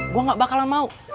gue gak bakalan mau